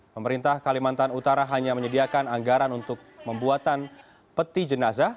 pemerintah kalimantan utara hanya menyediakan anggaran untuk membuatan peti jenazah